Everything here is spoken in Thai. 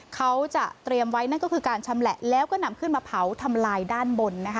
เขาจะเตรียมไว้นั่นก็คือการชำแหละแล้วก็นำขึ้นมาเผาทำลายด้านบนนะคะ